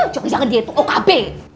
jangan jangan dia itu okb